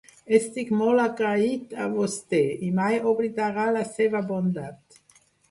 Estic molt agraït a vostè, i mai oblidarà la seva bondat.